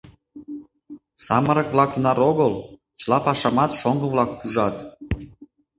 Самырык-влак тунар огыл, чыла пашамат шоҥго-влак пужат.